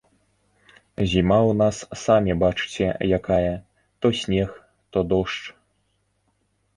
Зіма ў нас самі бачыце якая, то снег, то дождж.